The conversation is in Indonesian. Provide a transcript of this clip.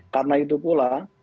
karena itu pula